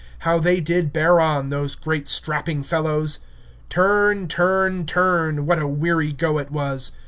How they did bear on, those great strapping fellows! Turn, turn, turn, what a weary go it was.